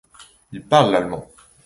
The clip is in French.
Il parle l'allemand.